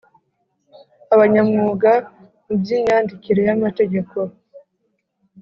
Abanyamwuga mu by imyandikire y amategeko